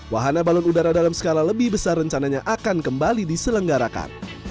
wahana balon udara dalam skala lebih besar rencananya akan kembali diselenggarakan